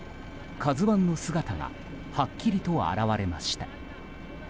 「ＫＡＺＵ１」の姿がはっきりと現れました。